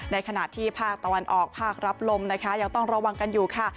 ในขณะที่ภาคตะวันออกภาครับลมนะคะยังต้องระวังกันอยู่ค่ะ